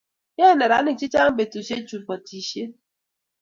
Yae neranik chechang petushek chuu batishet